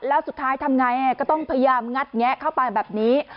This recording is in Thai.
แล้วสุดท้ายทำไงก็ต้องพยายามงัดแงะเข้าไปแบบนี้